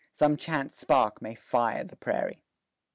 . Some chance spark may fire the prairie."